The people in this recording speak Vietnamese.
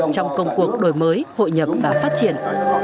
trong công cuộc đổi mới hội nhập và phát triển